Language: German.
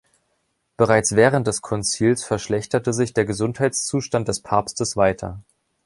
Bereits während des Konzils verschlechterte sich der Gesundheitszustand des Papstes weiter.